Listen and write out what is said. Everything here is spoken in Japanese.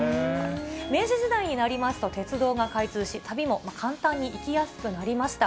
明治時代になりますと、鉄道が開通し、旅も簡単に行きやすくなりました。